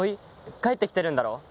帰ってきてるんだろ。